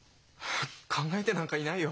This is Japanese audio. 考えてなんかいないよ。